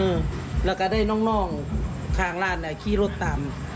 แล้วก็ได้น้องทางร้านเนี่ยขี่รถตาม